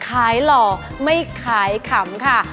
หล่อไม่ขายขำค่ะ